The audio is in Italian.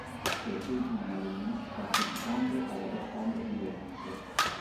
Servì in marina, partecipando alla battaglia di Lepanto.